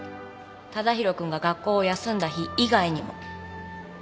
忠広君が学校を休んだ日以外にも。